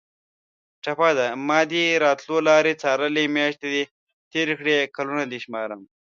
ټپه ده: مادې راتلو لارې څارلې میاشتې دې تېرې کړې کلونه دې شمارمه